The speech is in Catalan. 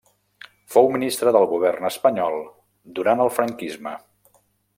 Fou ministre del govern espanyol durant el franquisme.